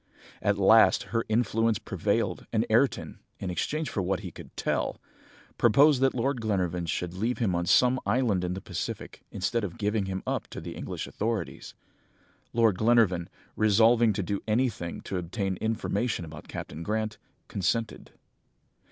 "At last, her influence prevailed, and Ayrton, in exchange for what he could tell, proposed that Lord Glenarvan should leave him on some island in the Pacific, instead of giving him up to the English authorities. Lord Glenarvan, resolving to do anything to obtain information about Captain Grant, consented.